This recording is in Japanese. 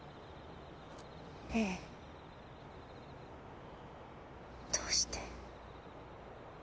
ええどうして。